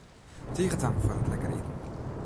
Tige tank foar it lekkere iten.